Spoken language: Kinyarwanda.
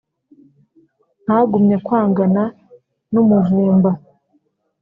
Ntagumye kwangana n' umuvumba,